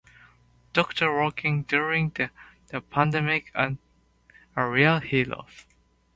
Doctors working during the pandemic are real heroes.